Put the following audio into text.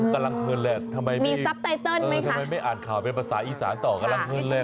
กำลังเพิ่งแหละทำไมไม่อ่านข่าวเป็นภาษาอีสานต่อกำลังเพิ่งแหละ